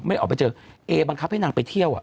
ไม่ออกไปเจอเอบังคับให้นางไปเที่ยว